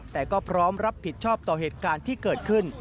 แต่ก็พร้อมรับผิดชอบต่อเหตุการณ์ที่เกิดขึ้น